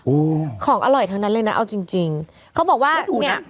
โอ้ของอร่อยเท่านั้นเลยนะเอาจริงเขาบอกว่าเนี่ย